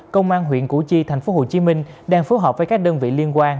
công an huyện củ chi tp hcm đang phối hợp với các đơn vị liên quan